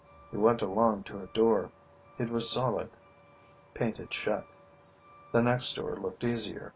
He went along to a door. It was solid, painted shut. The next door looked easier.